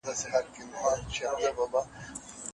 پرون یې شپه وه نن یې شپه ده ورځ په خوا نه لري